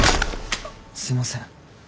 すいません。